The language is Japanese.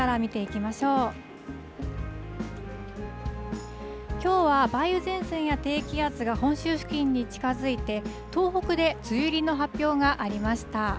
きょうは梅雨前線や低気圧が本州付近に近づいて、東北で梅雨入りの発表がありました。